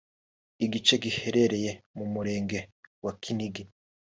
Igice giherereye mu Murenge wa Kinigi